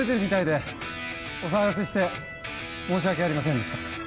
お騒がせして申し訳ありませんでした。